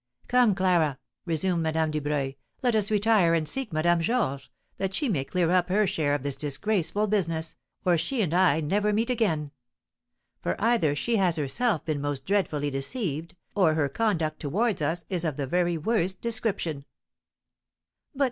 "Come, Clara," resumed Madame Dubreuil, "let us retire and seek Madame Georges, that she may clear up her share of this disgraceful business, or she and I never meet again; for either she has herself been most dreadfully deceived, or her conduct towards us is of the very worst description."